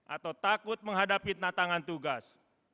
atau takut menghadapi tanda tangan tugas